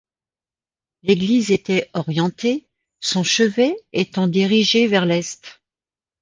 L'église était orientée, son chevet étant dirigé vers l'Est.